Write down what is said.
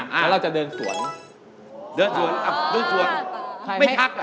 กะเวลาให้เค้าออกมา